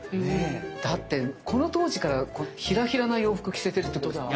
だってこの当時からヒラヒラな洋服着せてるってことですね